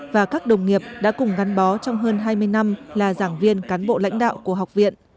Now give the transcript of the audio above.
và các đồng nghiệp đã cùng gắn bó trong hơn hai mươi năm là giảng viên cán bộ lãnh đạo của học viện